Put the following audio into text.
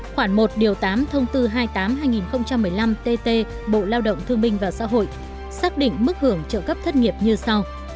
khoảng một điều tám thông tư hai mươi tám hai nghìn một mươi năm tt bộ lao động thương minh và xã hội xác định mức hưởng trợ cấp thất nghiệp như sau